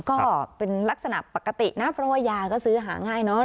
ก็เป็นลักษณะปกตินะเพราะว่ายาก็ซื้อหาง่ายเนอะ